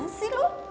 gimana sih lu